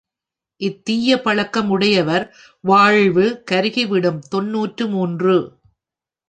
இத் தீய பழக்கம் உடையவர் வாழ்வு கருகிவிடும் தொன்னூற்று மூன்று.